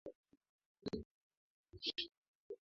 Watu ishirini na wanne wafariki katika mafuriko Uganda.